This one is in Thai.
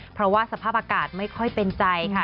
เพราะว่าสภาพอากาศไม่ค่อยเป็นใจค่ะ